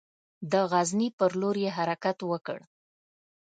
د غزني پر لور یې حرکت وکړ.